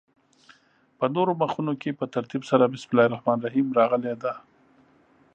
په نورو مخونو کې په ترتیب سره بسم الله الرحمن الرحیم راغلې ده.